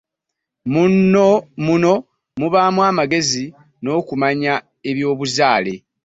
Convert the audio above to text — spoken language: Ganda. Muno mubaamu amagezi n'okumanya eby'obuzaale.